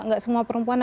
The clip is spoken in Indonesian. tidak semua perempuan